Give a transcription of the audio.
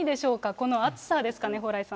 この暑さですかね、蓬莱さん。